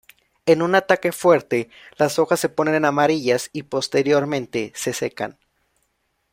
En un ataque fuerte las hojas se ponen amarillas y posteriormente se secan.